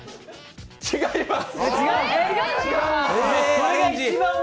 違います。